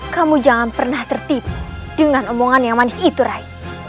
kamu jangan pernah tertip dengan omongan yang manis itu rai